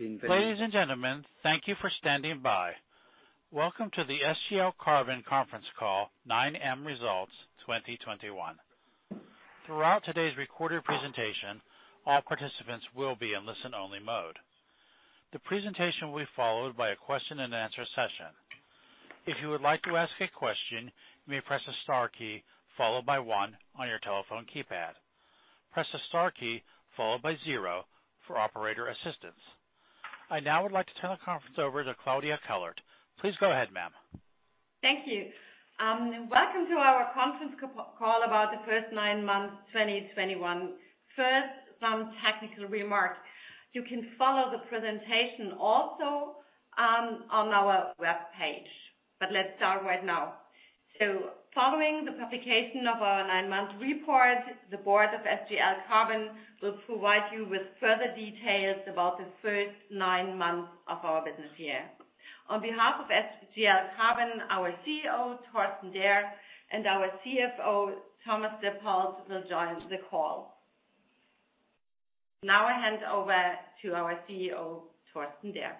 Ladies and gentlemen, thank you for standing by. Welcome to the SGL Carbon conference call, 9M results 2021. Throughout today's recorded presentation, all participants will be in listen-only mode. The presentation will be followed by a question-and-answer session. If you would like to ask a question, you may press the star key followed by one on your telephone keypad. Press the star key followed by zero for operator assistance. I now would like to turn the conference over to Claudia Kellert. Please go ahead, ma'am. Thank you. Welcome to our conference call about the first nine months 2021. First, some technical remarks. You can follow the presentation also on our webpage. Let's start right now. Following the publication of our nine-month report, the board of SGL Carbon will provide you with further details about the first nine months of our business year. On behalf of SGL Carbon, our CEO, Dr. Torsten Derr, and our CFO, Thomas Dippold, will join the call. Now I hand over to our CEO, Dr. Torsten Derr.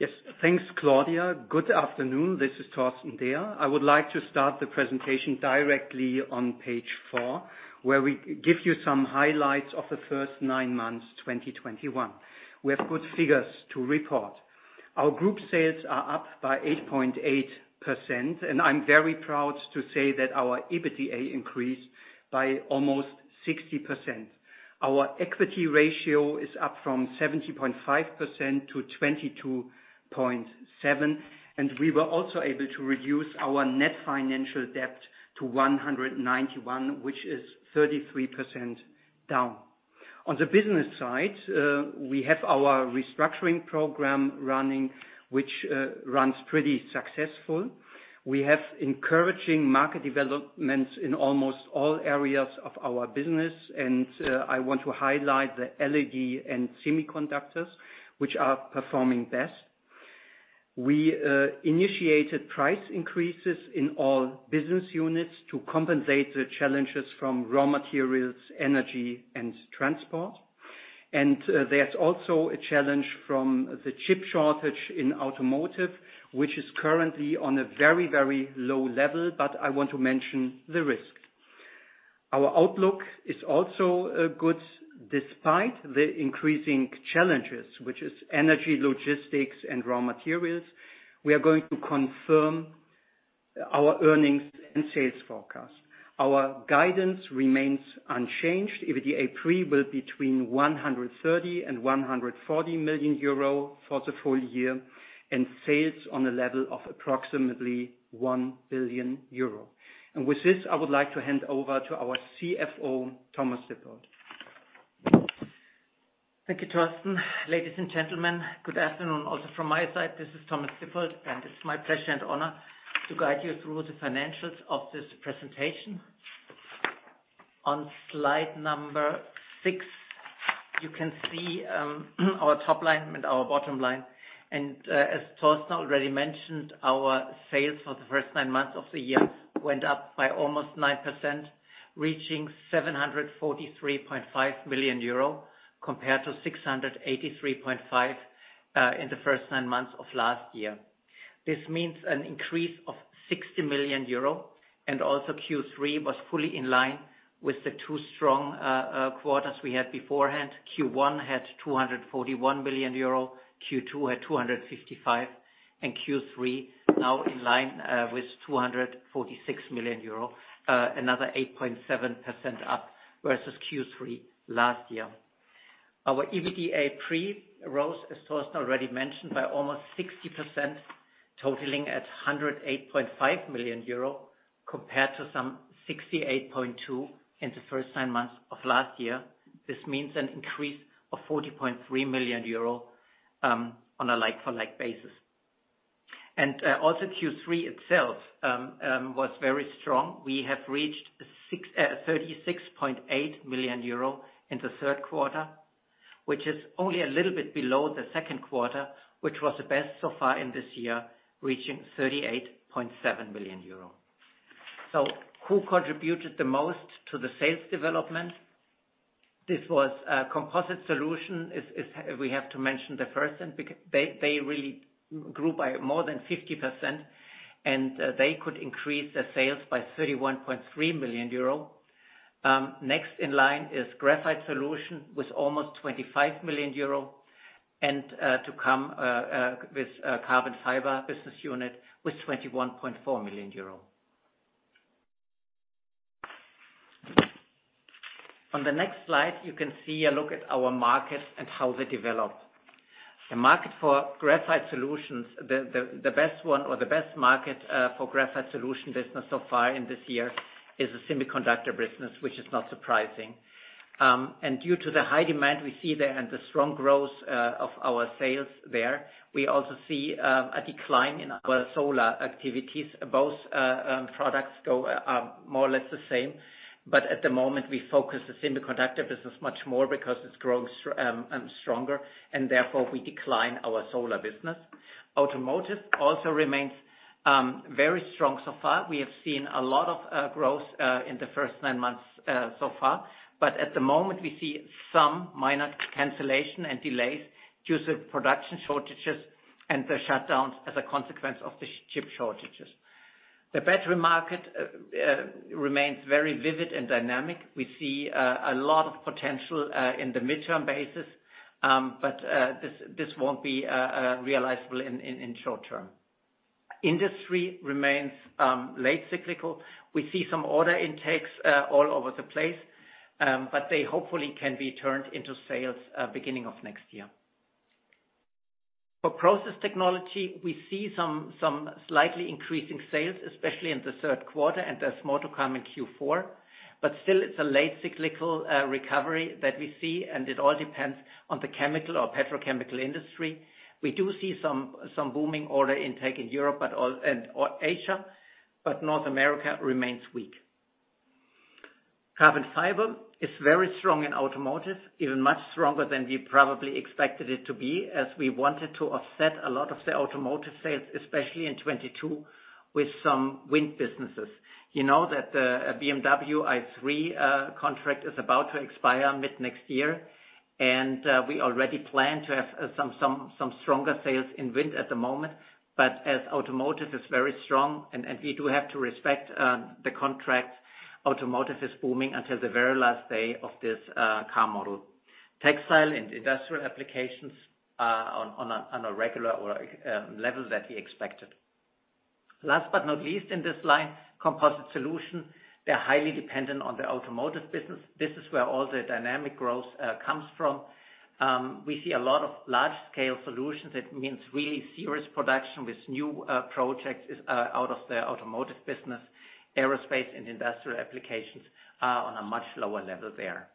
Yes. Thanks, Claudia. Good afternoon. This is Torsten Derr. I would like to start the presentation directly on page four, where we give you some highlights of the first nine months, 2021. We have good figures to report. Our group sales are up by 8.8%, and I'm very proud to say that our EBITDA increased by almost 60%. Our equity ratio is up from 70.5% to 22.7, and we were also able to reduce our net financial debt to 191, which is 33% down. On the business side, we have our restructuring program running, which runs pretty successful. We have encouraging market developments in almost all areas of our business, and I want to highlight the LED and semiconductors, which are performing best. We initiated price increases in all business units to compensate the challenges from raw materials, energy, and transport. There's also a challenge from the chip shortage in automotive, which is currently on a very, very low level, but I want to mention the risk. Our outlook is also good despite the increasing challenges, which is energy, logistics, and raw materials. We are going to confirm our earnings and sales forecast. Our guidance remains unchanged. EBITDApre between 130 million-140 million euro for the full year, and sales on a level of approximately 1 billion euro. With this, I would like to hand over to our CFO, Thomas Dippold. Thank you, Torsten. Ladies and gentlemen, good afternoon also from my side. This is Thomas Dippold, and it's my pleasure and honor to guide you through the financials of this presentation. On slide number six, you can see our top line and our bottom line. As Torsten already mentioned, our sales for the first nine months of the year went up by almost 9%, reaching 743.5 million euro, compared to 683.5 million in the first nine months of last year. This means an increase of 60 million euro. Q3 was fully in line with the two strong quarters we had beforehand. Q1 had 241 million euro, Q2 had 255 million, and Q3 now in line with 246 million euro, another 8.7% up versus Q3 last year. Our EBITDApre rose, as Torsten already mentioned, by almost 60%, totaling 108.5 million euro, compared to some 68.2 million in the first nine months of last year. This means an increase of 40.3 million euro on a like for like basis. Also, Q3 itself was very strong. We have reached 36.8 million euro in the Q3, which is only a little bit below the Q2, which was the best so far in this year, reaching 38.7 million euro. Who contributed the most to the sales development? Composite Solutions is the first one we have to mention because they really grew by more than 50%, and they could increase their sales by 31.3 million euro. Next in line is Graphite Solutions with almost 25 million euro and to come with Carbon Fibers business unit with 21.4 million euro. On the next slide, you can see a look at our markets and how they develop. The market for Graphite Solutions, the best one or the best market for Graphite Solutions business so far in this year is the semiconductor business, which is not surprising. Due to the high demand we see there and the strong growth of our sales there, we also see a decline in our solar activities. Both products go more or less the same. At the moment, we focus the semiconductor business much more because it's growing stronger, and therefore we decline our solar business. Automotive also remains very strong so far. We have seen a lot of growth in the first nine months so far. At the moment, we see some minor cancellations and delays due to production shortages and the shutdowns as a consequence of the chip shortages. The battery market remains very vivid and dynamic. We see a lot of potential in the midterm basis, but this won't be realizable in short term. Industry remains late cyclical. We see some order intakes all over the place, but they hopefully can be turned into sales beginning of next year. For Process Technology, we see some slightly increasing sales, especially in the Q3, and there's more to come in Q4. Still, it's a late cyclical recovery that we see, and it all depends on the chemical or petrochemical industry. We do see some booming order intake in Europe, or Asia, but North America remains weak. Carbon fiber is very strong in automotive, even much stronger than we probably expected it to be, as we wanted to offset a lot of the automotive sales, especially in 2022, with some wind businesses. You know that BMW i3 contract is about to expire mid-next year, and we already plan to have some stronger sales in wind at the moment. As automotive is very strong and we do have to respect the contract, automotive is booming until the very last day of this car model. Textile and industrial applications are on a regular level that we expected. Last but not least in this slide, Composite Solutions. They're highly dependent on the automotive business. This is where all the dynamic growth comes from. We see a lot of large-scale solutions. It means really serious production with new projects out of the automotive business. Aerospace and industrial applications are on a much lower level there.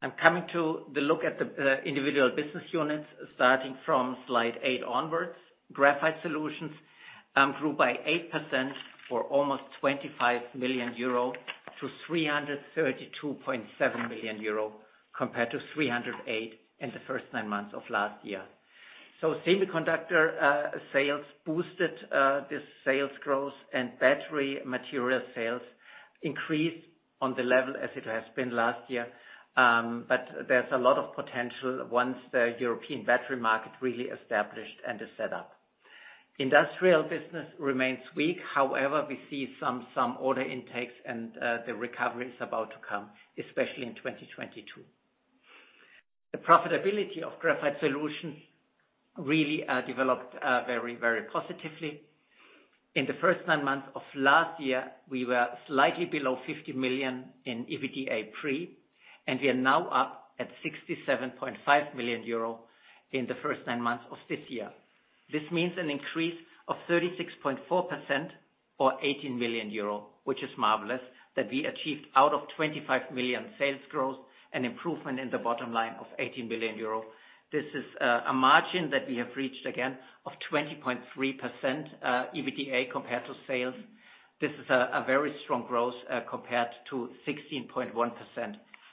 I'm coming to look at the individual business units starting from slide eight onwards. Graphite Solutions grew by 8% for almost 25 million euro to 332.7 million euro compared to 308 million in the first nine months of last year. Semiconductor sales boosted the sales growth and battery material sales increased on the level as it has been last year. There's a lot of potential once the European battery market really established and is set up. Industrial business remains weak. However, we see some order intakes and the recovery is about to come, especially in 2022. The profitability of Graphite Solutions really developed very, very positively. In the first nine months of last year, we were slightly below 50 million in EBITDApre, and we are now up at 67.5 million euro in the first nine months of this year. This means an increase of 36.4% or 18 million euro, which is marvelous, that we achieved out of 25 million sales growth, an improvement in the bottom line of 18 million euro. This is a margin that we have reached again of 20.3%, EBITDApre compared to sales. This is a very strong growth compared to 16.1%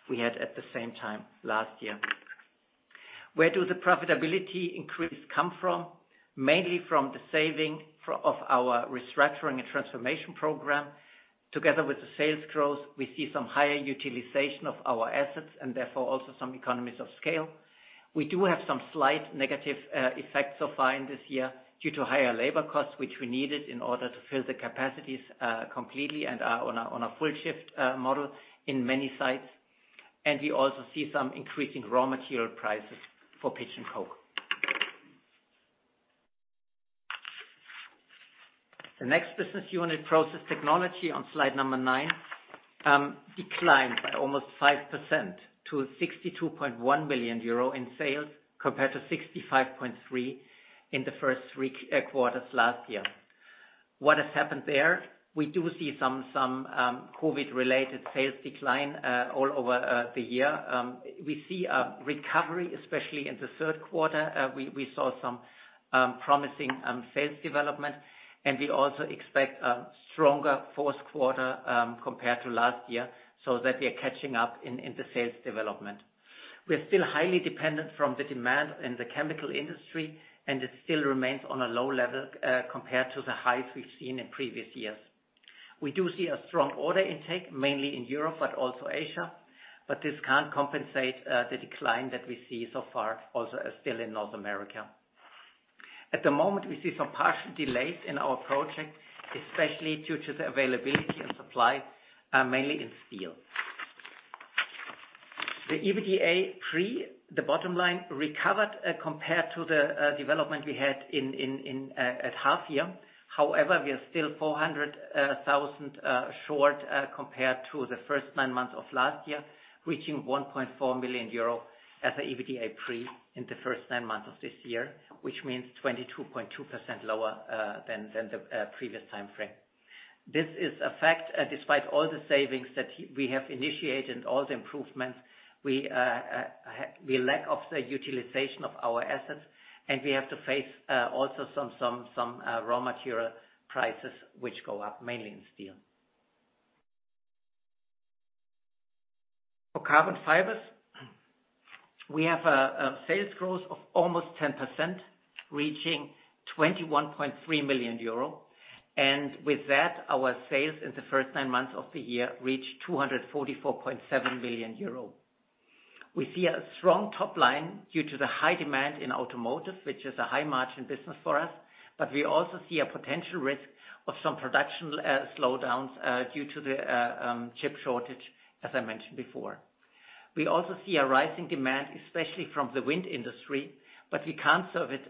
we had at the same time last year. Where do the profitability increase come from? Mainly from the saving of our restructuring and transformation program. Together with the sales growth, we see some higher utilization of our assets and therefore also some economies of scale. We do have some slight negative effects so far in this year due to higher labor costs, which we needed in order to fill the capacities completely and are on a full shift model in many sites. We also see some increasing raw material prices for pitch and coke. The next business unit, Process Technology on slide number nine, declined by almost 5% to 62.1 million euro in sales compared to 65.3 in the first three quarters last year. What has happened there? We do see some COVID related sales decline all over the year. We see a recovery, especially in the Q3. We saw some promising sales development, and we also expect a stronger Q4 compared to last year, so that we are catching up in the sales development. We're still highly dependent from the demand in the chemical industry, and it still remains on a low level compared to the highs we've seen in previous years. We do see a strong order intake, mainly in Europe but also Asia, but this can't compensate the decline that we see so far also still in North America. At the moment, we see some partial delays in our project, especially due to the availability and supply mainly in steel. The EBITDApre, the bottom line recovered compared to the development we had at half year. However, we are still 400,000 short compared to the first nine months of last year, reaching 1.4 million euro as EBITDA pre in the first nine months of this year, which means 22.2% lower than the previous time frame. This is a fact, despite all the savings that we have initiated and all the improvements, we lack of the utilization of our assets, and we have to face also some raw material prices which go up mainly in steel. For Carbon Fibers, we have a sales growth of almost 10%, reaching 21.3 million euro. With that, our sales in the first nine months of the year reached 244.7 million euro. We see a strong top line due to the high demand in automotive, which is a high margin business for us. We also see a potential risk of some production slowdowns due to the chip shortage, as I mentioned before. We also see a rising demand, especially from the wind industry, but we can't serve it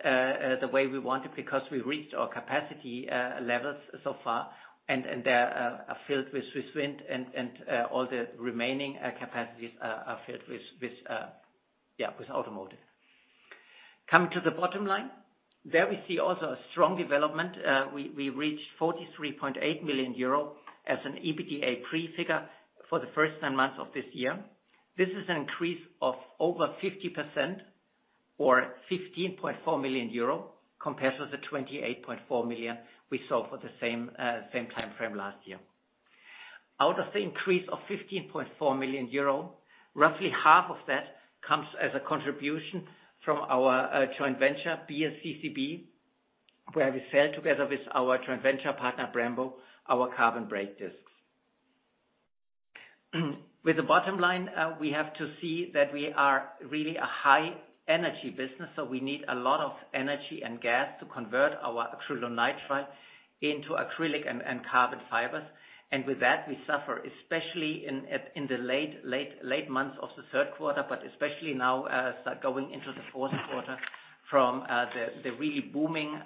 the way we want it because we reached our capacity levels so far, and they are filled with Siemens wind, and all the remaining capacities are filled with automotive. Coming to the bottom line, there we see also a strong development. We reached 43.8 million euro as an EBITDApre figure for the first nine months of this year. This is an increase of over 50% or 15.4 million euro compared to the 28.4 million we saw for the same time frame last year. Out of the increase of 15.4 million euro, roughly half of that comes as a contribution from our joint venture, BSCCB, where we sell together with our joint venture partner, Brembo, our carbon brake discs. With the bottom line, we have to see that we are really a high energy business, so we need a lot of energy and gas to convert our acrylonitrile into acrylic and carbon fibers. With that, we suffer, especially in the late months of the Q3, but especially now start going into the Q4 from the really booming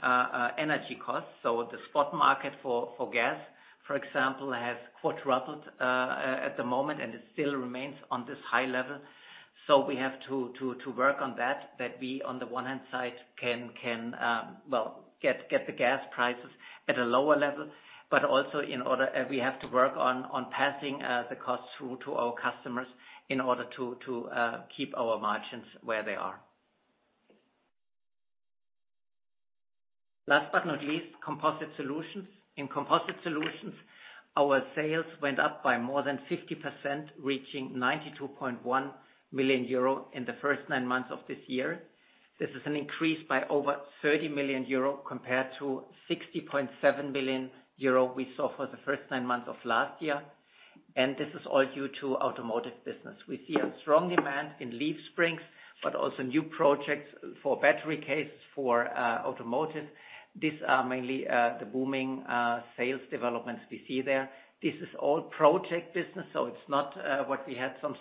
energy costs. The spot market for gas, for example, has quadrupled at the moment, and it still remains on this high level. We have to work on that we on the one hand side can well get the gas prices at a lower level. But also, in order we have to work on passing the costs through to our customers in order to keep our margins where they are. Last but not least, Composite Solutions. In Composite Solutions, our sales went up by more than 50%, reaching 92.1 million euro in the first nine months of this year. This is an increase by over 30 million euro compared to 60.7 million euro we saw for the first nine months of last year. This is all due to automotive business. We see a strong demand in leaf springs, but also new projects for battery cases for automotive. These are mainly the booming sales developments we see there. This is all project business, so it's not what we had some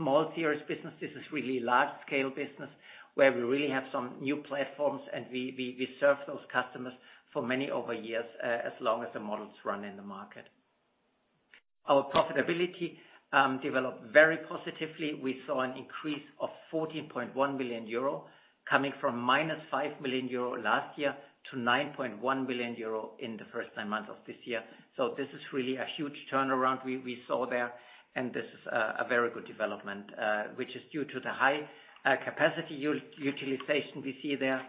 small series business. This is really large-scale business, where we really have some new platforms, and we serve those customers for many over years as long as the models run in the market. Our profitability developed very positively. We saw an increase of 14.1 million euro coming from -5 million euro last year to 9.1 million euro in the first nine months of this year. This is really a huge turnaround we saw there, and this is a very good development, which is due to the high-capacity utilization we see there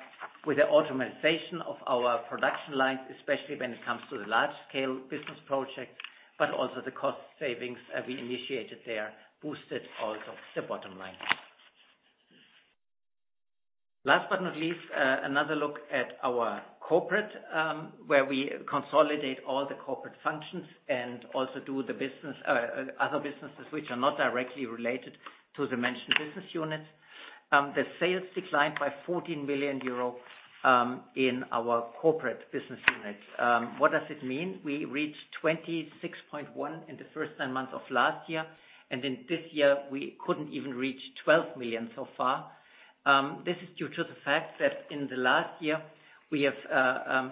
with the automation of our production lines, especially when it comes to the large-scale business projects, but also the cost savings we initiated there boosted also the bottom line. Last but not least, another look at our corporate, where we consolidate all the corporate functions and also do the business other businesses which are not directly related to the mentioned business units. The sales declined by 14 million euro in our corporate business units. What does it mean? We reached 26.1 million in the first nine months of last year, and in this year, we couldn't even reach 12 million so far. This is due to the fact that in the last year, we have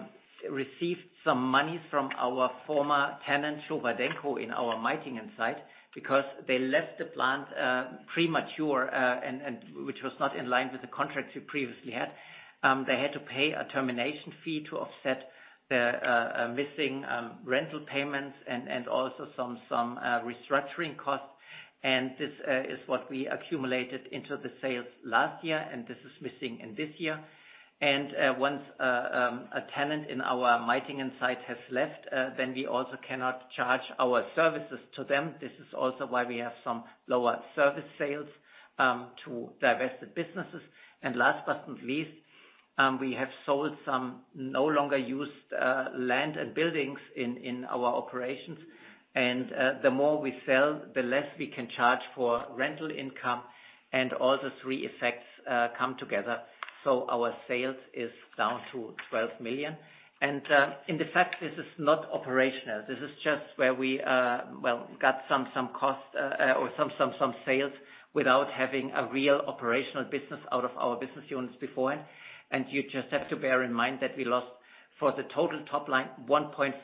received some monies from our former tenant, Showa Denko, in our Meitingen site, because they left the plant prematurely, and which was not in line with the contracts we previously had. They had to pay a termination fee to offset the missing rental payments and also some restructuring costs. This is what we accumulated into the sales last year, and this is missing in this year. Once a tenant in our Meitingen site has left, then we also cannot charge our services to them. This is also why we have some lower service sales to divested businesses. Last but not least, we have sold some no longer used land and buildings in our operations. The more we sell, the less we can charge for rental income and all the three effects come together. Our sales is down to 12 million. In fact this is not operational. This is just where we well got some sales without having a real operational business out of our business units beforehand. You just have to bear in mind that we lost for the total top line 1.5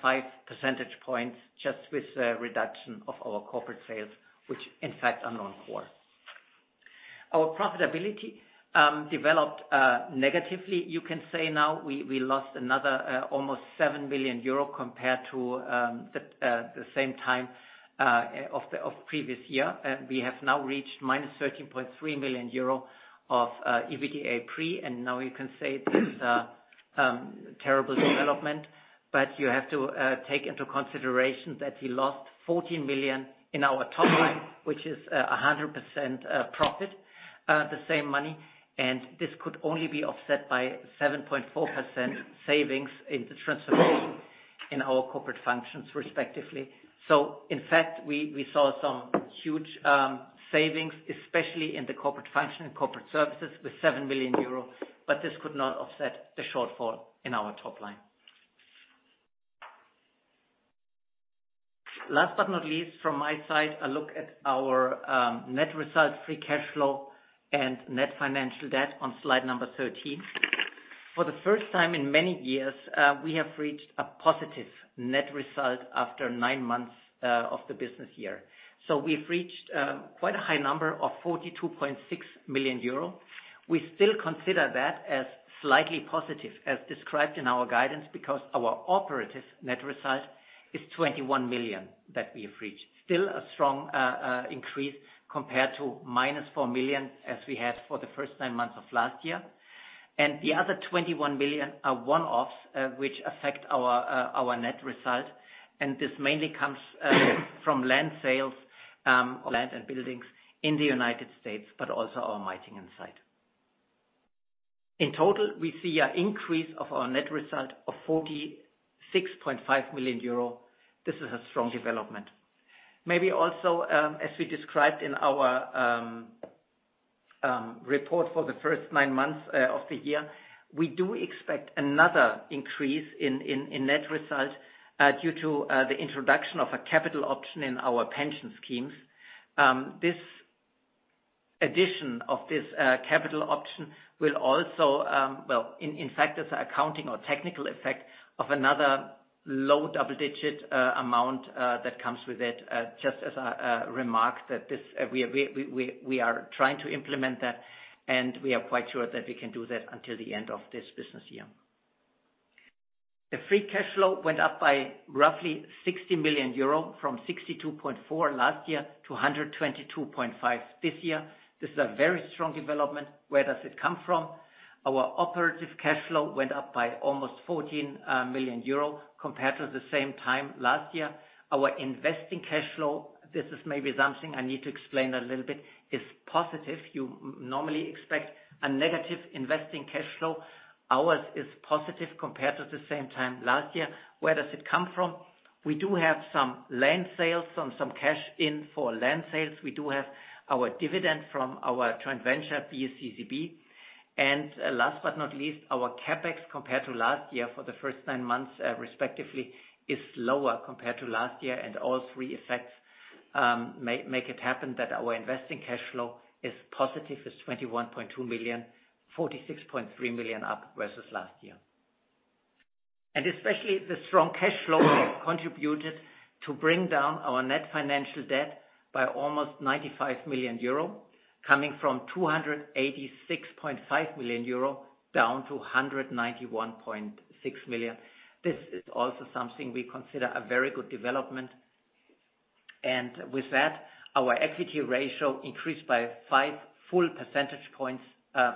percentage points just with the reduction of our corporate sales, which in fact are non-core. Our profitability developed negatively, you can say now. We lost another almost 7 million euro compared to the same time of the previous year. We have now reached minus 13.3 million euro of EBITDA pre, and now you can say that terrible development. You have to take into consideration that we lost 14 million in our top line, which is 100% profit the same money. This could only be offset by 7.4% savings in the transformation in our corporate functions, respectively. In fact, we saw some huge savings, especially in the corporate function and corporate services with 7 million euro, but this could not offset the shortfall in our top line. Last but not least, from my side, a look at our net results, free cash flow and net financial debt on slide 13. For the first time in many years, we have reached a positive net result after nine months of the business year. We have reached quite a high number of 42.6 million euro. We still consider that as slightly positive as described in our guidance because our operative net result is 21 million that we have reached. Still a strong increase compared to -4 million as we had for the first nine months of last year. The other 21 million are one-offs which affect our net result, and this mainly comes from land sales, land and buildings in the U.S., but also our Meitingen site. In total, we see an increase of our net result of 46.5 million euro. This is a strong development. Maybe also, as we described in our report for the first nine months of the year, we do expect another increase in net result due to the introduction of a capital option in our pension schemes. This addition of this capital option will also, well, in fact, it's accounting or technical effect of another low double-digit amount that comes with it, just as a remark that we are trying to implement that, and we are quite sure that we can do that until the end of this business year. The free cash flow went up by roughly 60 million euro from 62.4 last year to 122.5 this year. This is a very strong development. Where does it come from? Our operative cash flow went up by almost 14 million euro compared to the same time last year. Our investing cash flow, this is maybe something I need to explain a little bit, is positive. You normally expect a negative investing cash flow. Ours is positive compared to the same time last year. Where does it come from? We do have some land sales, some cash in for land sales. We do have our dividend from our joint venture, BSCCB. Last but not least, our CapEx compared to last year for the first nine months, respectively, is lower compared to last year. All three effects make it happen that our investing cash flow is positive, 21.2 million, 46.3 million up versus last year. Especially the strong cash flow has contributed to bring down our net financial debt by almost 95 million euro, coming from 286.5 million euro, down to 191.6 million. This is also something we consider a very good development. With that, our equity ratio increased by five full percentage points,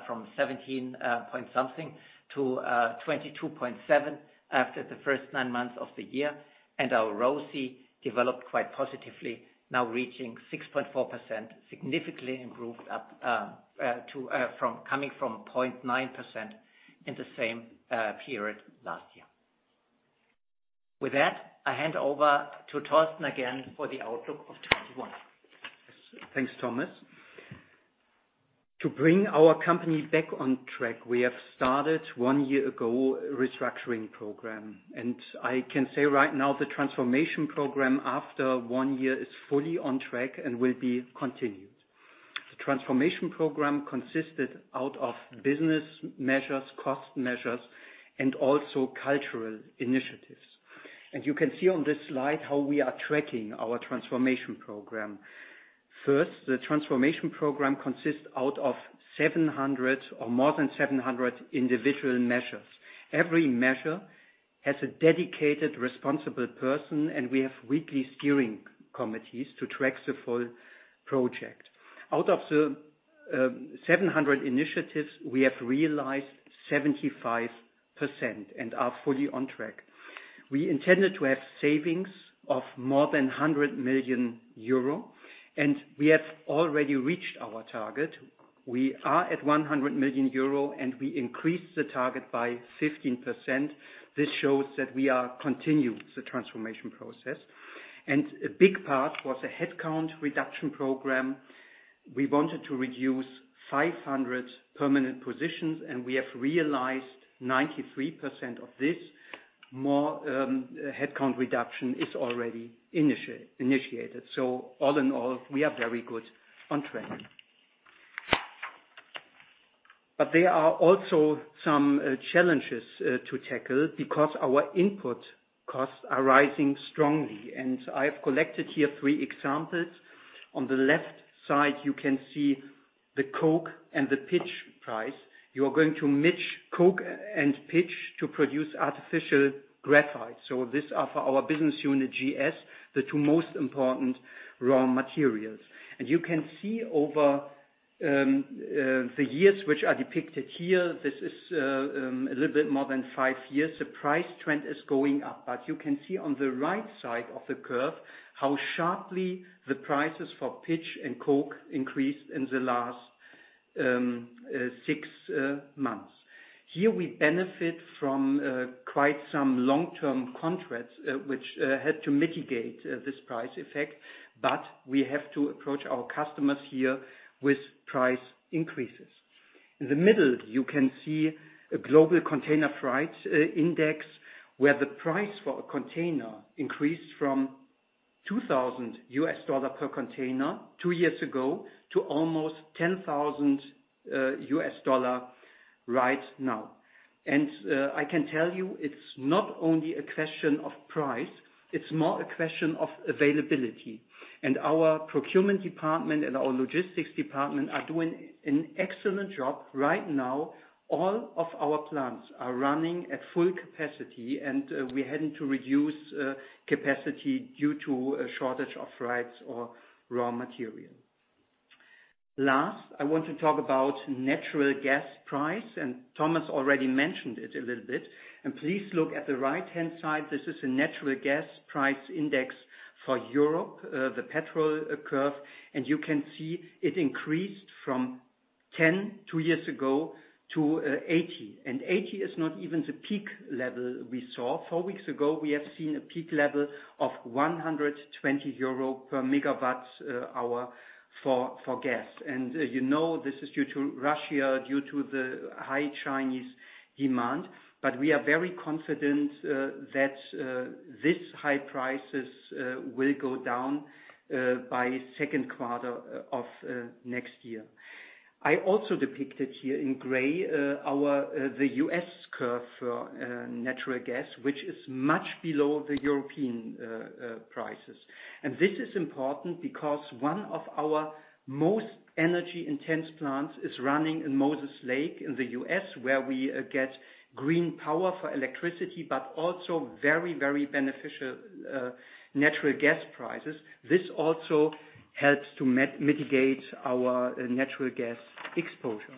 from 17 point something to 22.7% after the first nine months of the year. Our ROCE developed quite positively, now reaching 6.4%, significantly improved from 0.9% in the same period last year. With that, I hand over to Torsten again for the outlook of 2021. Yes. Thanks, Thomas. To bring our company back on track, we have started one year ago a restructuring program. I can say right now the transformation program after one year is fully on track and will be continued. The transformation program consisted out of business measures, cost measures, and also cultural initiatives. You can see on this slide how we are tracking our transformation program. First, the transformation program consists out of 700 or more than 700 individual measures. Every measure has a dedicated responsible person, and we have weekly steering committees to track the full project. Out of the 700 initiatives, we have realized 75% and are fully on track. We intended to have savings of more than 100 million euro, and we have already reached our target. We are at 100 million euro, and we increased the target by 15%. This shows that we are continued the transformation process. A big part was a headcount reduction program. We wanted to reduce 500 permanent positions, and we have realized 93% of this. More headcount reduction is already initiated. All in all, we are very good on track. There are also some challenges to tackle because our input costs are rising strongly. I have collected here three examples. On the left side, you can see the coke and the pitch price. You are going to mix coke and pitch to produce artificial graphite. These are for our business unit GS, the two most important raw materials. You can see over the years which are depicted here, this is a little bit more than five years. The price trend is going up, but you can see on the right side of the curve how sharply the prices for pitch and coke increased in the last six months. Here we benefit from quite some long-term contracts, which had to mitigate this price effect, but we have to approach our customers here with price increases. In the middle, you can see a global container freight index, where the price for a container increased from $2,000 per container two years ago to almost $10,000 right now. I can tell you it's not only a question of price, it's more a question of availability. Our procurement department and our logistics department are doing an excellent job right now. All of our plants are running at full capacity, and we hadn't to reduce capacity due to a shortage of freights or raw material. Last, I want to talk about natural gas price, and Thomas already mentioned it a little bit. Please look at the right-hand side. This is a natural gas price index for Europe, the TTF curve. You can see it increased from 10 two years ago to 80. Eighty is not even the peak level we saw. Four weeks ago, we have seen a peak level of 120 euro per MWh for gas. You know, this is due to Russia, due to the high Chinese demand. We are very confident that these high prices will go down by Q2 of next year. I also depicted here in gray our the U.S. curve for natural gas, which is much below the European prices. This is important because one of our most energy-intensive plants is running in Moses Lake in the U.S., where we get green power for electricity, but also very, very beneficial natural gas prices. This also helps to mitigate our natural gas exposure.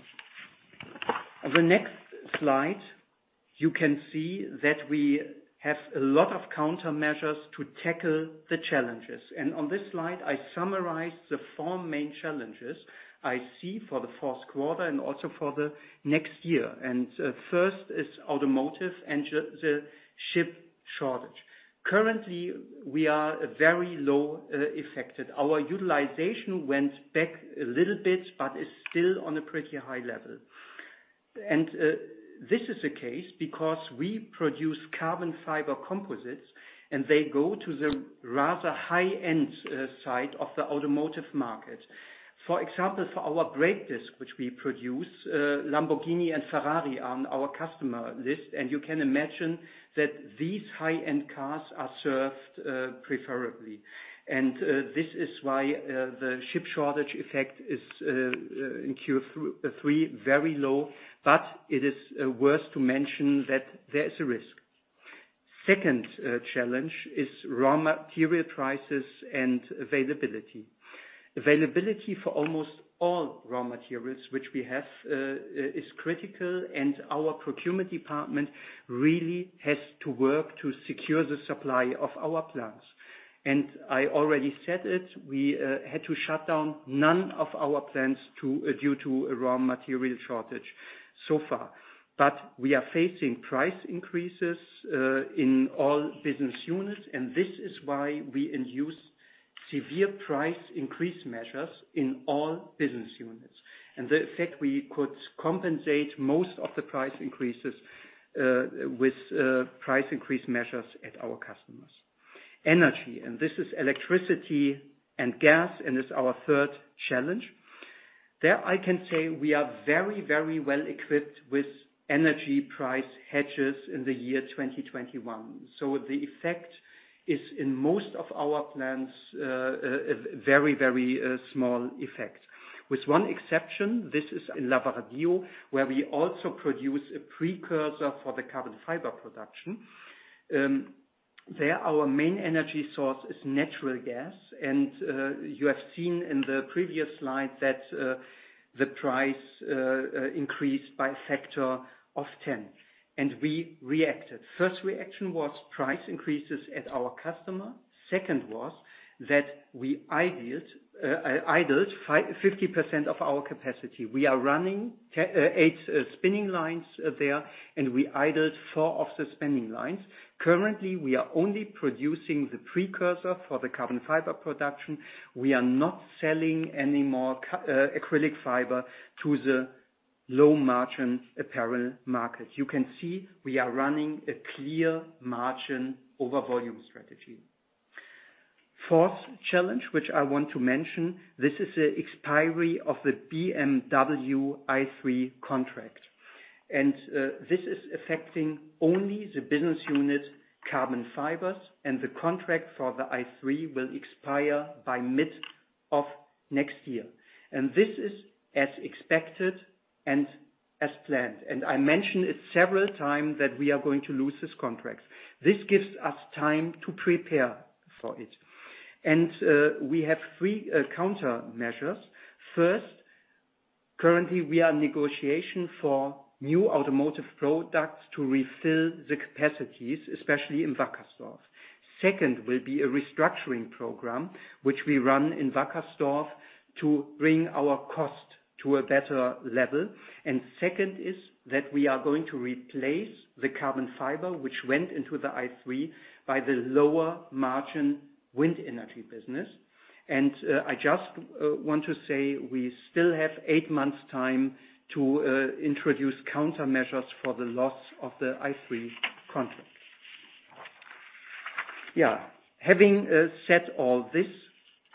On the next slide, you can see that we have a lot of countermeasures to tackle the challenges. On this slide, I summarize the four main challenges I see for the Q4 and also for the next year. First is automotive and the chip shortage. Currently, we are very low affected. Our utilization went back a little bit, but is still on a pretty high level. This is the case because we produce carbon fiber composites, and they go to the rather high-end side of the automotive market. For example, for our brake disc, which we produce, Lamborghini and Ferrari are on our customer list, and you can imagine that these high-end cars are served preferably. This is why the chip shortage effect is in Q3 very low, but it is worth to mention that there is a risk. Second challenge is raw material prices and availability. Availability for almost all raw materials, which we have, is critical, and our procurement department really has to work to secure the supply of our plants. I already said it, we had to shut down none of our plants due to a raw material shortage so far. We are facing price increases in all business units, and this is why we introduce severe price increase measures in all business units. The effect we could compensate most of the price increases with price increase measures at our customers. Energy, this is electricity and gas, is our third challenge. There I can say we are very, very well equipped with energy price hedges in the year 2021. The effect is in most of our plants a very, very small effect. With one exception, this is in Lavradio, where we also produce a precursor for the carbon fiber production. There, our main energy source is natural gas, and you have seen in the previous slide that the price increased by a factor of 10, and we reacted. First reaction was price increases at our customer. Second was that we idled 50% of our capacity. We are running eight spinning lines there, and we idled four of the spinning lines. Currently, we are only producing the precursor for the carbon fiber production. We are not selling any more acrylic fiber to the low-margin apparel market. You can see we are running a clear margin over volume strategy. Fourth challenge, which I want to mention, this is the expiration of the BMW i3 contract. This is affecting only the business unit Carbon Fibers, and the contract for the i3 will expire by mid of next year. This is as expected and as planned. I mentioned it several times that we are going to lose this contract. This gives us time to prepare for it. We have three countermeasures. First, currently we are in negotiation for new automotive products to refill the capacities, especially in Wackersdorf. Second will be a restructuring program, which we run in Wackersdorf to bring our costs to a better level. Second is that we are going to replace the carbon fiber which went into the i3 by the lower margin wind energy business. I just want to say we still have eight months' time to introduce countermeasures for the loss of the i3 contract. Yeah. Having said all this,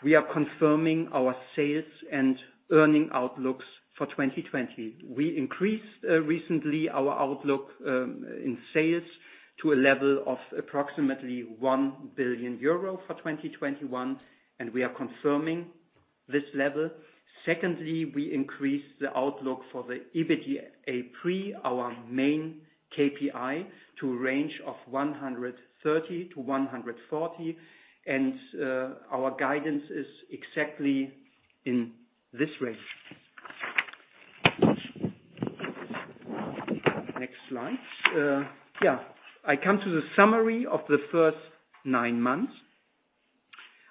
we are confirming our sales and earnings outlooks for 2020. We increased recently our outlook in sales to a level of approximately 1 billion euro for 2021, and we are confirming this level. Secondly, we increased the outlook for the EBITDApre, our main KPI, to a range of 130-140, and our guidance is exactly in this range. Next slide. I come to the summary of the first nine months.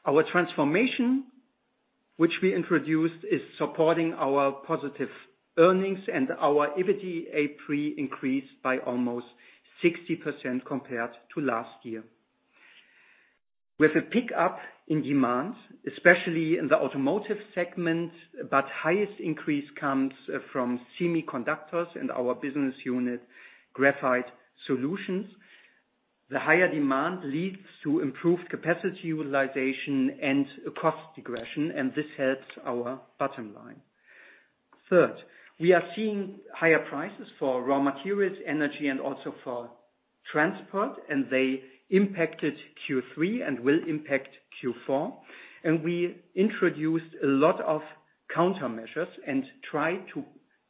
Our transformation, which we introduced, is supporting our positive earnings and our EBITDApre increased by almost 60% compared to last year. With a pick-up in demand, especially in the automotive segment, but highest increase comes from semiconductors in our business unit Graphite Solutions. The higher demand leads to improved capacity utilization and cost regression, and this helps our bottom line. Third, we are seeing higher prices for raw materials, energy, and also for transport, and they impacted Q3 and will impact Q4. We introduced a lot of countermeasures and tried to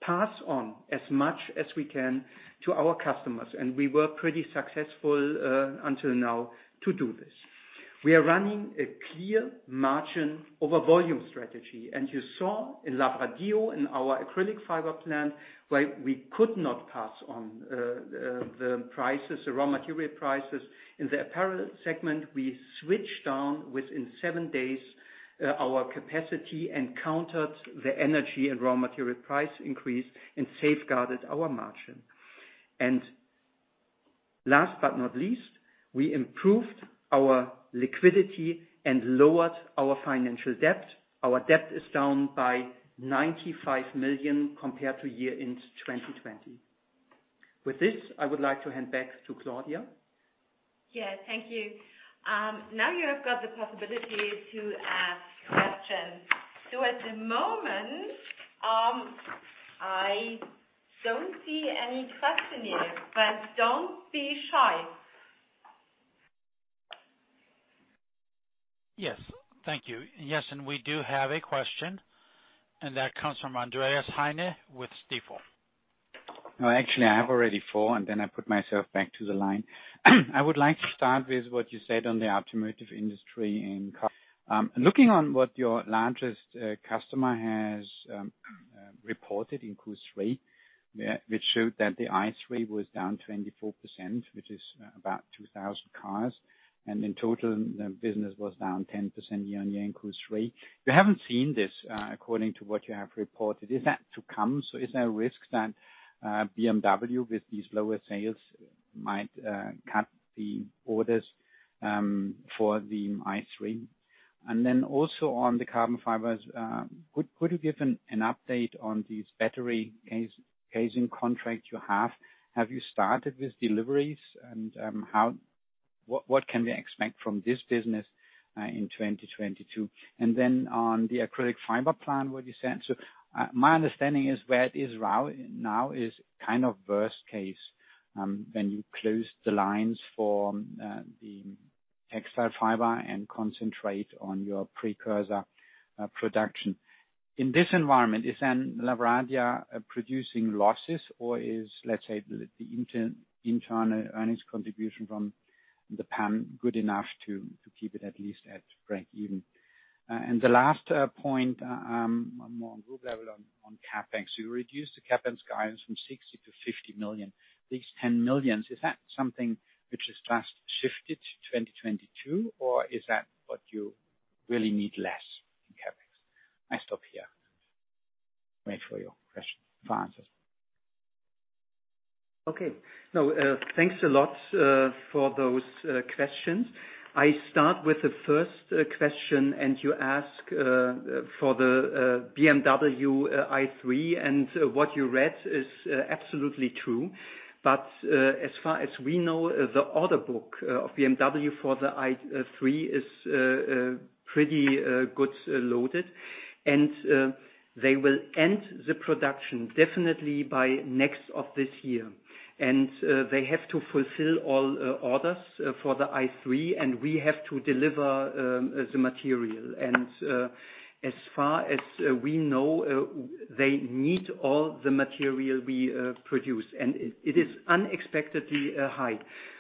pass on as much as we can to our customers, and we were pretty successful until now to do this. We are running a clear margin over volume strategy, and you saw in Lavradio, in our acrylic fiber plant, where we could not pass on the prices, the raw material prices. In the apparel segment, we switched down within seven days our capacity and countered the energy and raw material price increase and safeguarded our margin. Last but not least, we improved our liquidity and lowered our financial debt. Our debt is down by 95 million compared to year-end 2020. With this, I would like to hand back to Claudia. Yes, thank you. Now you have got the possibility to ask questions. At the moment, I don't see any questions, but don't be shy. Yes. Thank you. Yes, and we do have a question, and that comes from Andreas Heine with Stifel. No, actually, I have already four, and then I put myself back to the line. I would like to start with what you said on the automotive industry and looking on what your largest customer has reported in Q3, which showed that the i3 was down 24%, which is about 2,000 cars. In total, the business was down 10% year-on-year in Q3. You haven't seen this according to what you have reported. Is that to come? Is there a risk that BMW, with these lower sales, might cut the orders for the i3? Also on the Carbon Fibers, could you give an update on these battery cases in contract you have? Have you started with deliveries and what can we expect from this business in 2022? Then on the acrylic fiber plant, what you said. My understanding is where it is right now is kind of worst case, when you close the lines for the textile fiber and concentrate on your precursor production. In this environment, is Lavradio producing losses or is, let's say, the internal earnings contribution from the PAN good enough to keep it at least at break even? The last point, more on group level on CapEx. You reduced the CapEx guidance from 60 million to 50 million. These 10 million, is that something which is just shifted to 2022, or is that what you really need less in CapEx? I stop here. Wait for your question, for answers. Okay. No, thanks a lot for those questions. I start with the first question, and you ask for the BMW i3, and what you read is absolutely true. As far as we know, the order book of BMW for the i3 is pretty good loaded. They will end the production definitely by end of this year. They have to fulfill all orders for the i3, and we have to deliver the material. As far as we know, they need all the material we produce, and it is unexpectedly high.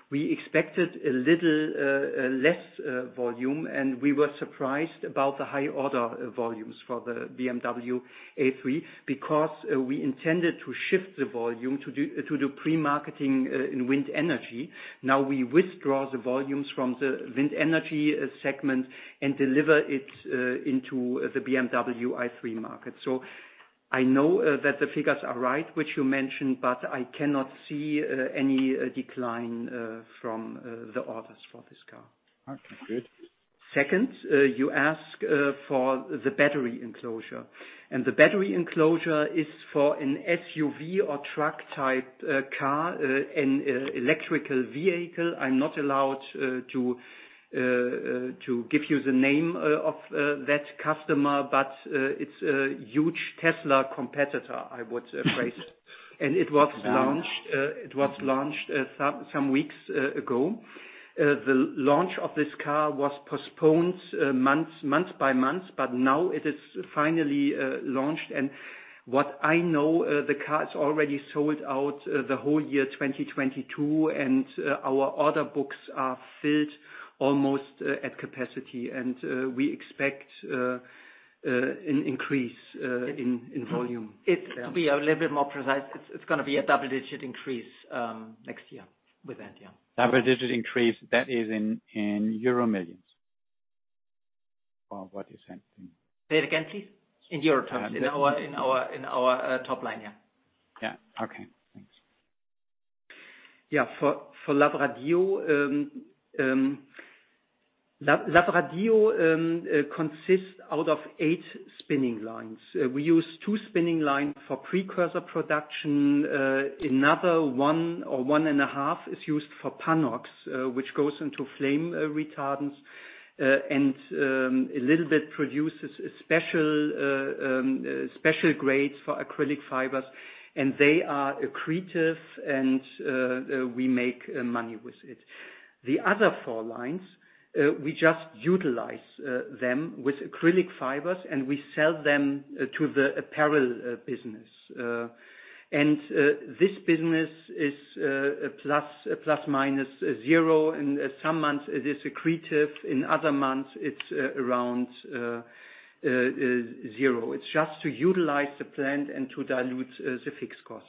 We expected a little less volume, and we were surprised about the high order volumes for the BMW i3 because we intended to shift the volume to do pre-marketing in wind energy. Now, we withdraw the volumes from the wind energy segment and deliver it into the BMW i3 market. I know that the figures are right, which you mentioned, but I cannot see any decline from the orders for this car. Okay, good. Second, you ask for the battery enclosure, and the battery enclosure is for an SUV or truck type car, an electric vehicle. I'm not allowed to give you the name of that customer, but it's a huge Tesla competitor, I would phrase it. It was launched some weeks ago. The launch of this car was postponed month by month, but now it is finally launched. What I know, the car is already sold out the whole year 2022, and our order books are filled almost at capacity. We expect an increase in volume. To be a little bit more precise, it's going to be a double-digit increase next year with that, yeah. Double-digit increase, that is in euro millions? Or what is that in... Say it again, please. In euro terms, in our top line, yeah. Yeah. Okay. Thanks. For Lavradio, it consists out of eight spinning lines. We use two spinning line for precursor production. Another one or one and a half is used for PANOX, which goes into flame retardants, and a little bit produces special grades for acrylic fibers, and they are accretive and we make money with it. The other four lines, we just utilize them with acrylic fibers, and we sell them to the apparel business. This business is a plus, a plus-minus zero. In some months it is accretive, in other months it's around zero. It's just to utilize the plant and to dilute the fixed cost.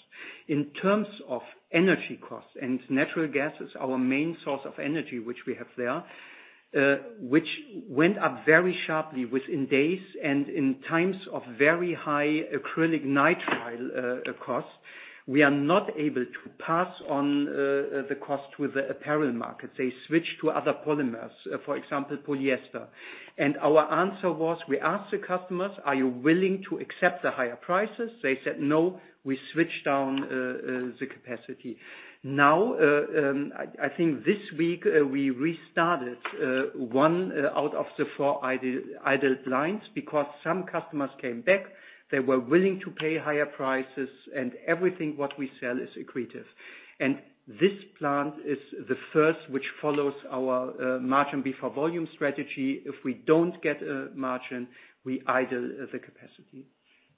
In terms of energy costs, natural gas is our main source of energy, which we have there, which went up very sharply within days and in times of very high acrylonitrile costs. We are not able to pass on the cost to the apparel market. They switch to other polymers, for example, polyester. Our answer was, we asked the customers, "Are you willing to accept the higher prices?" They said no. We shut down the capacity. Now, I think this week, we restarted one out of the four idle lines because some customers came back. They were willing to pay higher prices, and everything what we sell is accretive. This plant is the first which follows our margin before volume strategy. If we don't get a margin, we idle the capacity.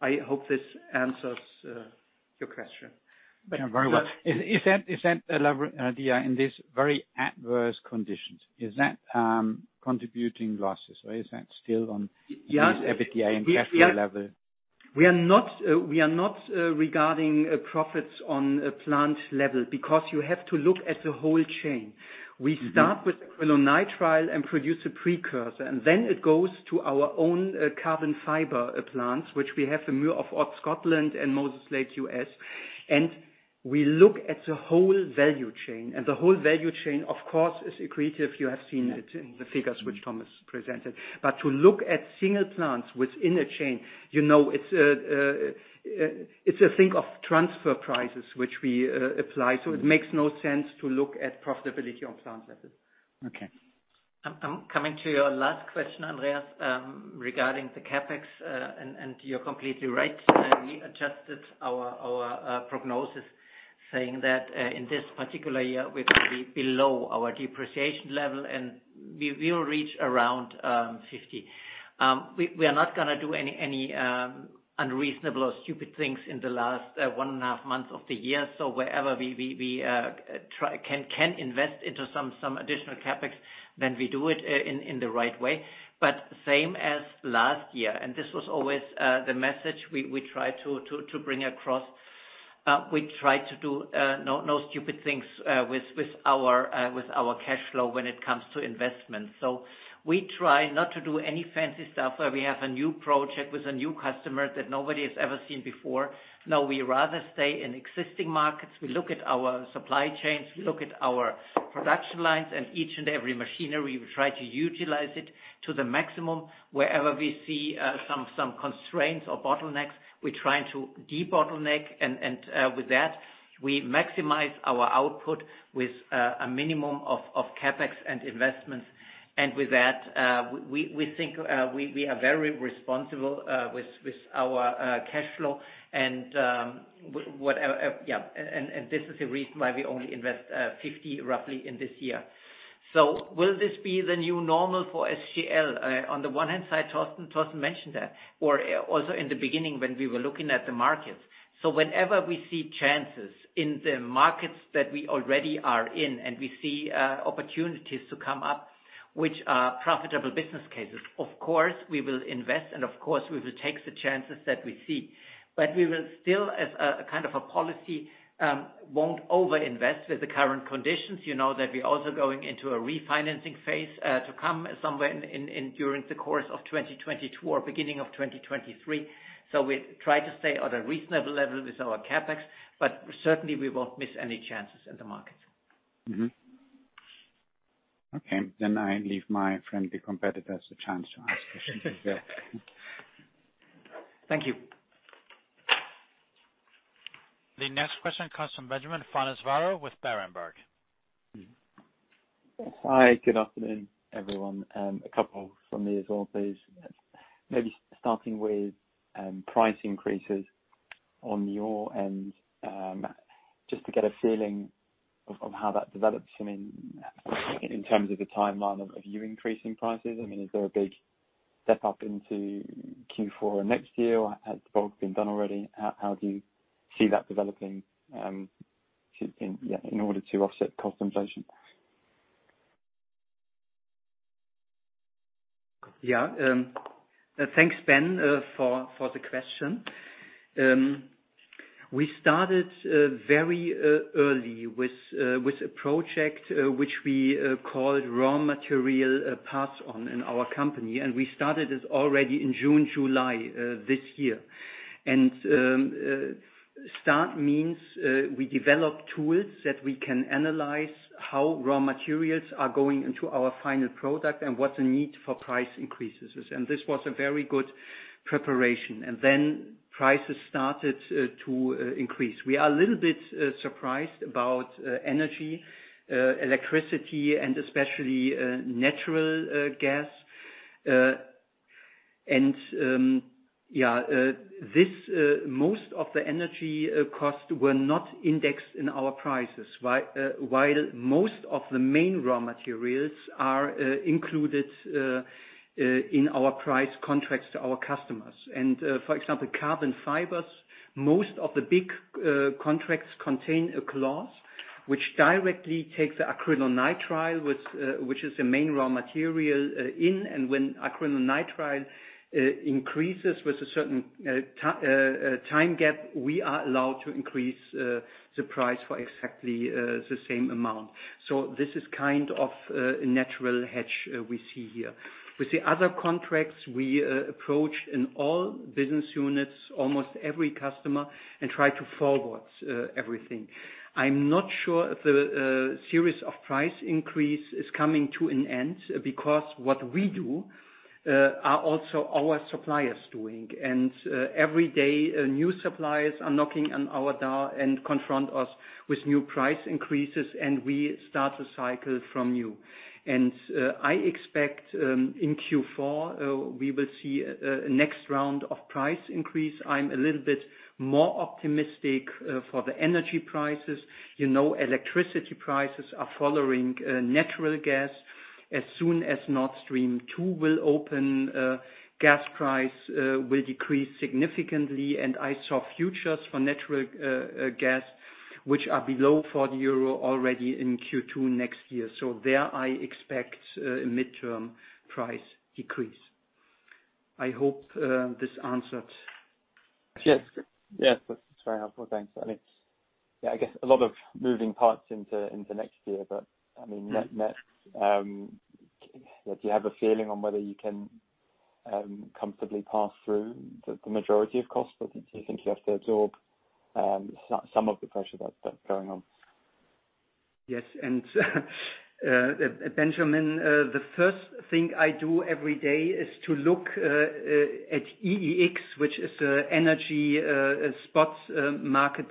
I hope this answers your question. Yeah, very well. Is that Lavradio in these very adverse conditions contributing losses or is that still on- Yeah. EBITDA and cash flow level? We are not reporting profits on a plant level because you have to look at the whole chain. Mm-hmm. We start with acrylonitrile and produce a precursor, and then it goes to our own carbon fiber plants, which we have the Muir of Ord, Scotland and Moses Lake, U.S. We look at the whole value chain, of course, is accretive. You have seen it in the figures which Thomas presented. To look at single plants within a chain, you know, it's a thing of transfer prices which we apply. It makes no sense to look at profitability on plant level. Okay. I'm coming to your last question, Andreas, regarding the CapEx, and you're completely right. We adjusted our prognosis saying that, in this particular year, we're going to be below our depreciation level and we will reach around 50. We are not going to do any unreasonable or stupid things in the last one and a half months of the year. Wherever we can invest into some additional CapEx, then we do it in the right way. Same as last year, and this was always the message we try to bring across. We try to do no stupid things with our cash flow when it comes to investments. We try not to do any fancy stuff where we have a new project with a new customer that nobody has ever seen before. No, we rather stay in existing markets. We look at our supply chains, we look at our production lines, and each and every machinery, we try to utilize it to the maximum. Wherever we see some constraints or bottlenecks, we're trying to de-bottleneck. With that, we maximize our output with a minimum of CapEx and investments. With that, we think we are very responsible with our cash flow. This is the reason why we only invest roughly EUR 50 million in this year. Will this be the new normal for SGL? On the one hand side, Torsten mentioned that, or also in the beginning when we were looking at the markets. Whenever we see chances in the markets that we already are in and we see opportunities to come up which are profitable business cases, of course we will invest, and of course, we will take the chances that we see. We will still, as a kind of a policy, won't over-invest with the current conditions. You know that we're also going into a refinancing phase, to come somewhere in during the course of 2022 or beginning of 2023. We try to stay at a reasonable level with our CapEx, but certainly we won't miss any chances in the markets. Mm-hmm. Okay, I leave my friendly competitors the chance to ask questions as well. Thank you. The next question comes from Benjamin Pfannes-Varrow with Berenberg. Hi, good afternoon, everyone. A couple from me as well, please. Maybe starting with price increases on your end, just to get a feeling of how that develops. I mean, in terms of the timeline of you increasing prices, I mean, is there a big step up into Q4 next year, or has the bulk been done already? How do you see that developing in order to offset cost inflation? Yeah. Thanks, Ben, for the question. We started very early with a project which we called raw material pass-on in our company, and we started this already in June, July, this year. Start means we develop tools that we can analyze how raw materials are going into our final product and what the need for price increases is. This was a very good preparation. Then prices started to increase. We are a little bit surprised about energy, electricity, and especially natural gas. Most of the energy costs were not indexed in our prices, while most of the main raw materials are included in our price contracts to our customers. For example, Carbon Fibers, most of the big contracts contain a clause which directly takes acrylonitrile, which is the main raw material, and when acrylonitrile increases with a certain time gap, we are allowed to increase the price for exactly the same amount. This is kind of a natural hedge we see here. With the other contracts we approach in all business units, almost every customer, and try to forward everything. I'm not sure if the series of price increase is coming to an end, because what we do are also our suppliers doing. Every day new suppliers are knocking on our door and confront us with new price increases, and we start the cycle from new. I expect in Q4 we will see a next round of price increase. I'm a little bit more optimistic for the energy prices. You know, electricity prices are following natural gas. As soon as Nord Stream 2 will open, gas price will decrease significantly. I saw futures for natural gas, which are below 40 euro already in Q2 next year. There I expect a midterm price decrease. I hope this answered. Yes. Yes, that's very helpful. Thanks. I think, yeah, I guess a lot of moving parts into next year, but I mean, net, do you have a feeling on whether you can comfortably pass through the majority of costs, or do you think you have to absorb some of the pressure that's going on? Benjamin, the first thing I do every day is to look at EEX, which is an energy spot market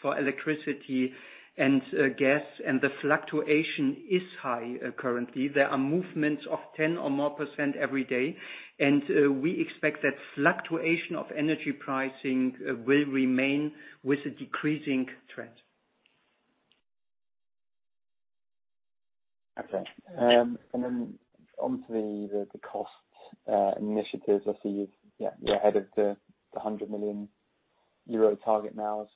for electricity and gas. The fluctuation is high currently. There are movements of 10% or more every day. We expect that fluctuation of energy pricing will remain with a decreasing trend. Okay. Then onto the cost initiatives. I see you're ahead of the 100 million euro target now.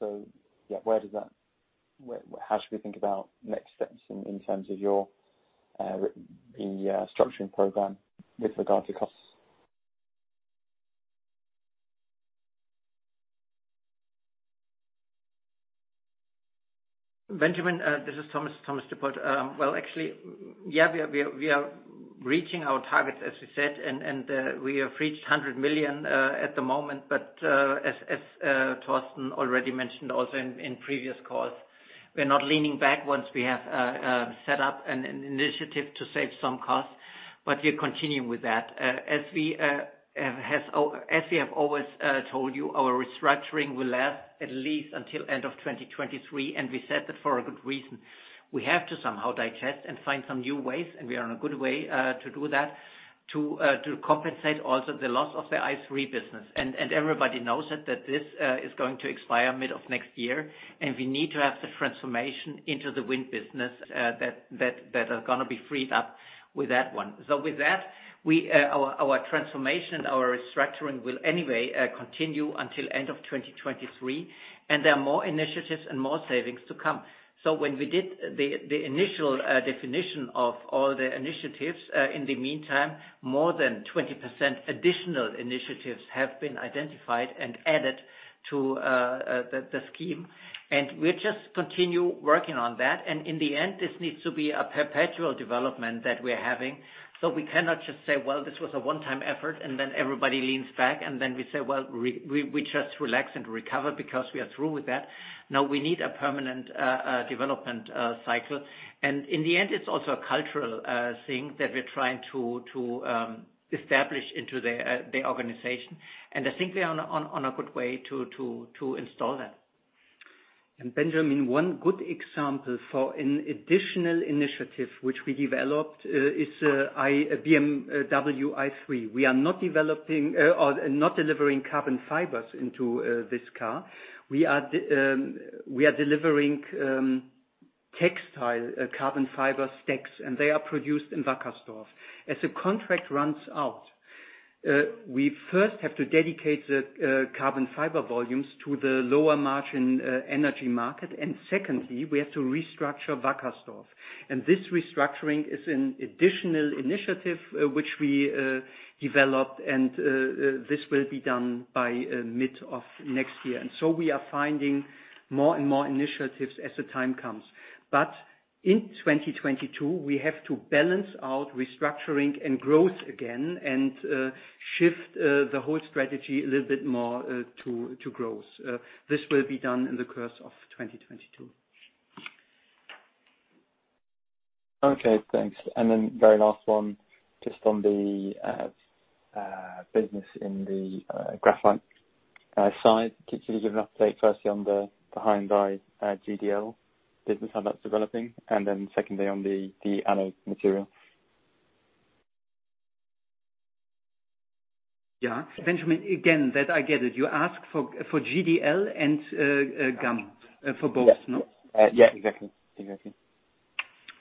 How should we think about next steps in terms of your structuring program with regard to costs? Benjamin, this is Thomas Dippold. Well, actually, we are reaching our targets, as we said, and we have reached 100 million at the moment. As Torsten already mentioned also in previous calls, we're not leaning back once we have set up an initiative to save some costs, but we are continuing with that. As we have always told you, our restructuring will last at least until end of 2023, and we said that for a good reason. We have to somehow digest and find some new ways, and we are on a good way to do that, to compensate also the loss of the i3 business. Everybody knows it, that this is going to expire mid of next year, and we need to have the transformation into the wind business that are going to be freed up with that one. With that, our transformation, our restructuring will anyway continue until end of 2023, and there are more initiatives and more savings to come. When we did the initial definition of all the initiatives, in the meantime, more than 20% additional initiatives have been identified and added to the scheme. We just continue working on that. In the end, this needs to be a perpetual development that we're having. We cannot just say, well, this was a one-time effort, and then everybody leans back, and then we say, well, we just relax and recover because we are through with that. No, we need a permanent development cycle. In the end, it's also a cultural thing that we're trying to establish into the organization. I think we are on a good way to install that. Benjamin, one good example for an additional initiative which we developed is a BMW i3. We are not delivering carbon fibers into this car. We are delivering textile carbon fiber stacks, and they are produced in Wackersdorf. As the contract runs out, we first have to dedicate the carbon fiber volumes to the lower margin energy market and secondly, we have to restructure Wackersdorf. This restructuring is an additional initiative which we developed and this will be done by mid of next year. We are finding more and more initiatives as the time comes. In 2022, we have to balance out restructuring and growth again and shift the whole strategy a little bit more to growth. This will be done in the course of 2022. Okay, thanks. Very last one, just on the business in the graphite side. Could you give an update firstly on the Hyundai GDL business, how that's developing? Secondly, on the anode material. Yeah. Benjamin, again, that I get it. You ask for GDL and GAM, for both, no? Yeah. Yeah, exactly.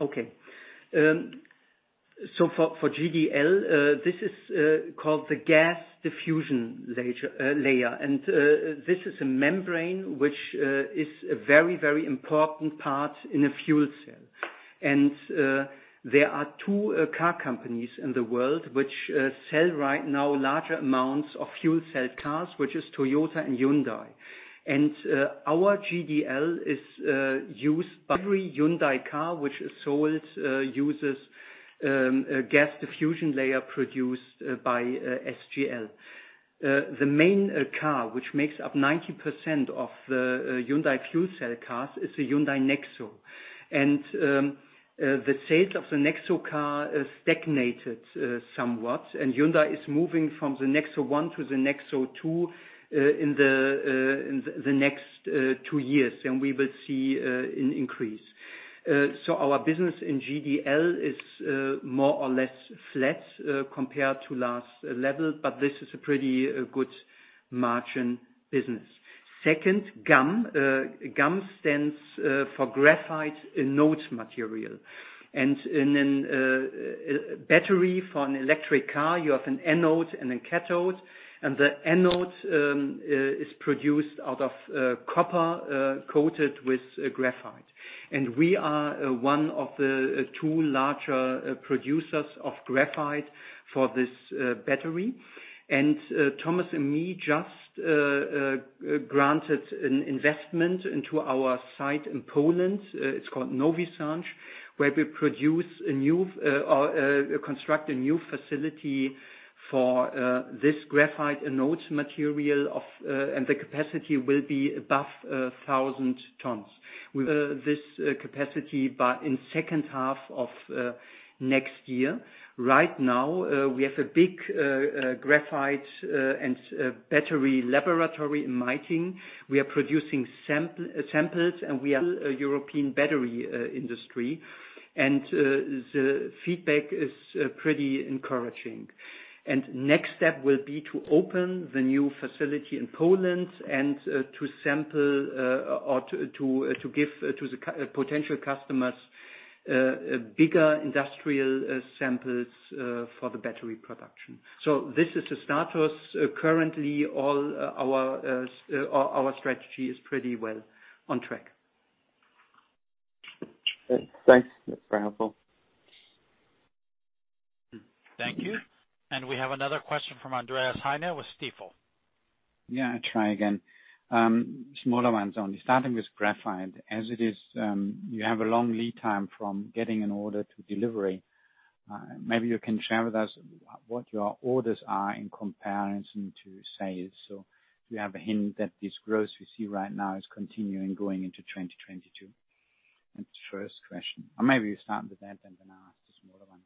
Okay. For GDL, this is called the gas diffusion layer. This is a membrane which is a very, very important part in a fuel cell. There are two car companies in the world which sell right now larger amounts of fuel cell cars, which is Toyota and Hyundai. Our GDL is used by every Hyundai car which is sold uses a gas diffusion layer produced by SGL. The main car which makes up 90% of the Hyundai fuel cell cars is the Hyundai NEXO. The sales of the NEXO stagnated somewhat, and Hyundai is moving from the NEXO One to the NEXO Two in the next two years, and we will see an increase. Our business in GDL is more or less flat compared to last level, but this is a pretty good margin business. Second, GAM. GAM stands for graphite anode material. In a battery for an electric car, you have an anode and a cathode. The anode is produced out of copper coated with graphite. We are one of the two larger producers of graphite for this battery. Thomas and me just granted an investment into our site in Poland. It's called Nowy Sącz, where we construct a new facility for this graphite anode material. The capacity will be above 1,000 tons. We will have this capacity by the second half of next year. Right now, we have a big graphite and battery laboratory in Meitingen. We are producing samples, and we supply the European battery industry. The feedback is pretty encouraging. Next step will be to open the new facility in Poland and to sample or to give to the potential customers a bigger industrial samples for the battery production. This is the status. Currently, all our strategy is pretty well on track. Thanks. That's very helpful. Thank you. We have another question from Andreas Heine with Stifel. Yeah, I try again. Smaller ones only. Starting with graphite, as it is, you have a long lead time from getting an order to delivery. Maybe you can share with us what your orders are in comparison to sales. Do you have a hint that this growth we see right now is continuing going into 2022? That's first question. Maybe you start with that, and then I ask the smaller one.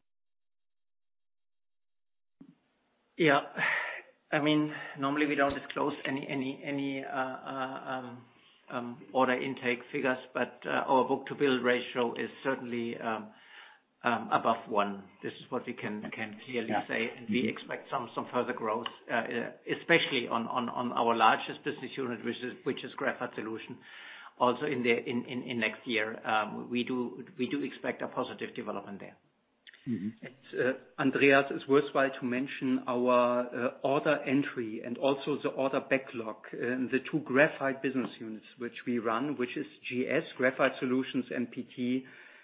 Yeah. I mean, normally we don't disclose any order intake figures, but our book-to-bill ratio is certainly above one. This is what we can clearly say. Yeah. We expect some further growth, especially on our largest business unit, which is Graphite Solutions. Also in the next year, we do expect a positive development there. Mm-hmm. Andreas, it's worthwhile to mention our order entry and also the order backlog. The two graphite business units which we run, which is GS, Graphite Solutions, and PT,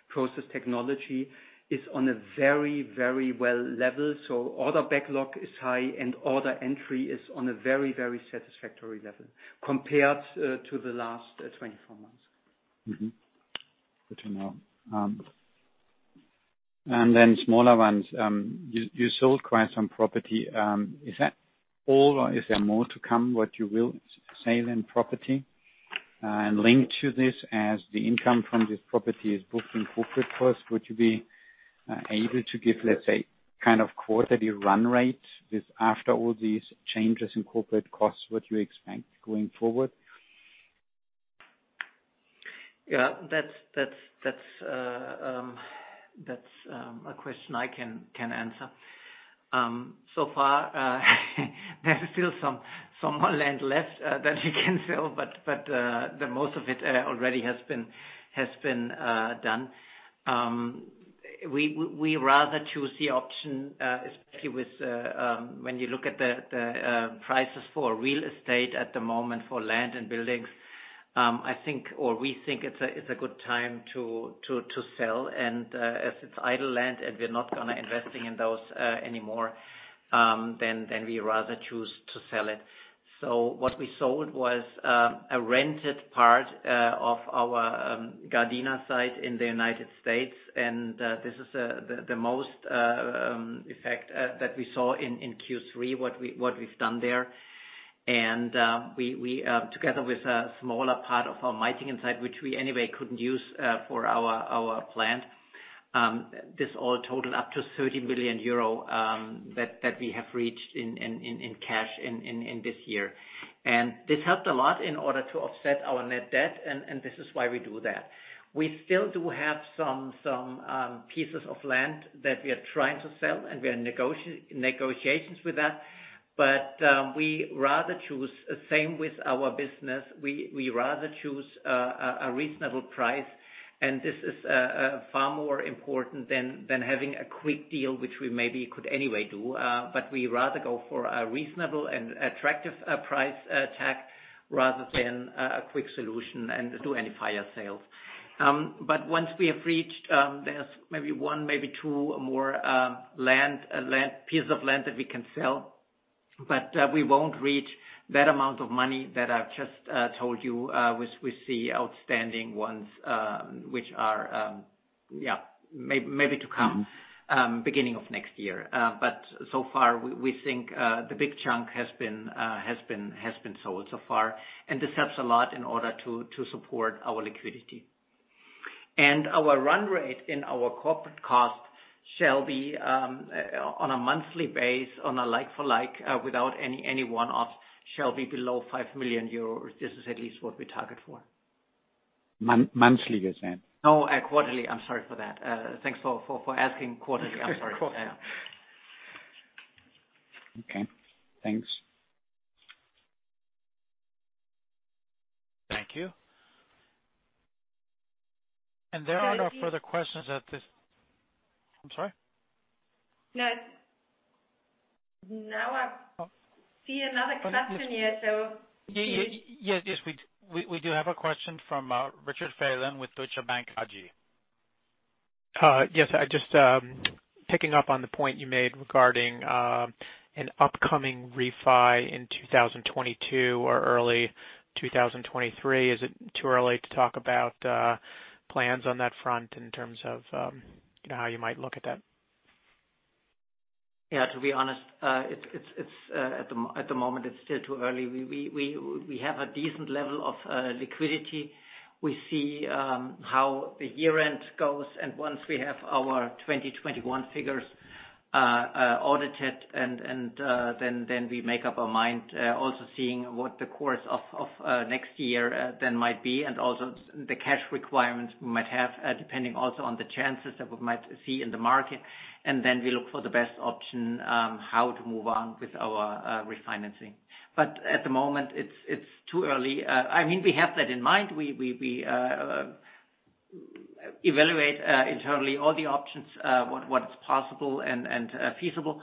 Process Technology, is on a very, very well level. Order backlog is high and order entry is on a very, very satisfactory level compared to the last 24 months. Good to know. Smaller ones. You sold quite some property. Is that all or is there more to come what you will sell in property? Linked to this, as the income from this property is booked in corporate first, would you be able to give, let's say, kind of quarterly run rate with after all these changes in corporate costs, what you expect going forward. Yeah, that's a question I can answer. So far, there's still some more land left that we can sell, but the most of it already has been done. We rather choose the option, when you look at the prices for real estate at the moment for land and buildings, I think or we think it's a good time to sell. As it's idle land and we're not going to investing in those anymore, then we rather choose to sell it. What we sold was a rented part of our Gardena site in the United States. This is the most effect that we saw in Q3, what we've done there together with a smaller part of our Meitingen site, which we anyway couldn't use for our plant. This all totaled up to 30 million euro that we have reached in cash in this year. This helped a lot in order to offset our net debt, and this is why we do that. We still do have some pieces of land that we are trying to sell, and we are in negotiations with that. We rather choose same with our business we rather choose a reasonable price, and this is far more important than having a quick deal, which we maybe could anyway do. We rather go for a reasonable and attractive price tag rather than a quick solution and do any fire sales. Once we have reached, there's maybe one, maybe two more land pieces of land that we can sell, but we won't reach that amount of money that I've just told you with the outstanding ones, which are yeah maybe to come. Mm-hmm. Beginning of next year. So far, we think the big chunk has been sold so far, and this helps a lot in order to support our liquidity. Our run rate in our corporate cost shall be on a monthly basis on a like-for-like without any one-offs below 5 million euros. This is at least what we target for. Monthly, you're saying? No, quarterly. I'm sorry for that. Thanks for asking. Quarterly, I'm sorry. Quarterly. Yeah. Okay. Thanks. Thank you. There are no further questions at this. I'm sorry? No. Now I see another question here. Yes, we do have a question from Richard Phelan with Deutsche Bank AG. Yes. I'm just picking up on the point you made regarding an upcoming refinancing in 2022 or early 2023. Is it too early to talk about plans on that front in terms of you know how you might look at that? Yeah, to be honest, it's at the moment still too early. We have a decent level of liquidity. We see how the year end goes, once we have our 2021 figures audited, then we make up our mind also seeing what the course of next year then might be, and also the cash requirements we might have depending also on the chances that we might see in the market. We look for the best option how to move on with our refinancing. At the moment, it's too early. I mean, we have that in mind. We evaluate internally all the options what's possible and feasible.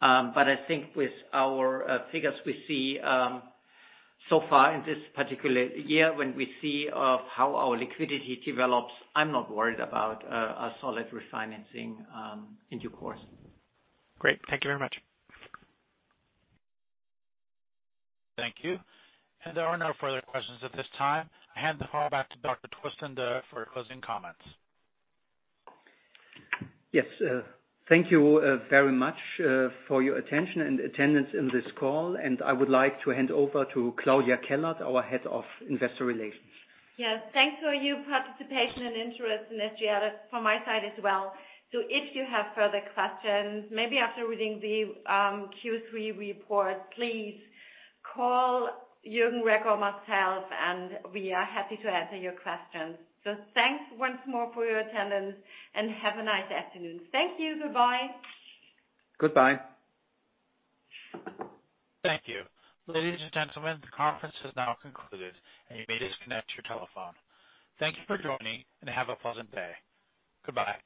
I think with our figures we see so far in this particular year when we see how our liquidity develops, I'm not worried about a solid refinancing in due course. Great. Thank you very much. Thank you. There are no further questions at this time. I hand the call back to Dr. Torsten Derr for closing comments. Yes. Thank you very much for your attention and attendance in this call, and I would like to hand over to Claudia Kellert, our Head of Investor Relations. Yes. Thanks for your participation and interest in SGL from my side as well. If you have further questions, maybe after reading the Q3 report, please call Jürgen Reck or myself, and we are happy to answer your questions. Thanks once more for your attendance, and have a nice afternoon. Thank you. Goodbye. Goodbye. Thank you. Ladies and gentlemen, the conference has now concluded and you may disconnect your telephone. Thank you for joining and have a pleasant day. Goodbye.